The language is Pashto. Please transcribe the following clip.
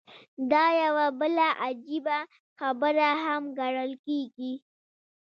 دا يوه بله عجيبه خبره هم ګڼل کېږي.